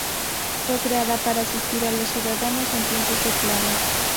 Fue creada para asistir a los ciudadanos en tiempos de plaga.